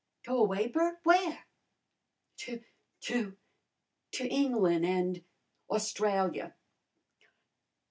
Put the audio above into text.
"Go away, Bert! Where?" "To to Englund, an' Australia."